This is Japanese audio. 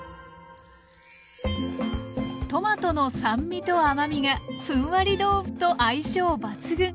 トマトの酸味と甘みがふんわり豆腐と相性抜群。